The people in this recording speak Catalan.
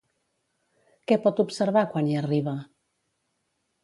Què pot observar quan hi arriba?